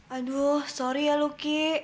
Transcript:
aduh sorry ya luki